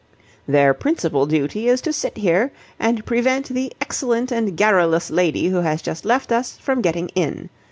"Their principal duty is to sit here and prevent the excellent and garrulous lady who has just left us from getting in.